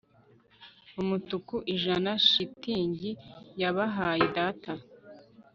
umutuku ijana-shitingi. yabahaye data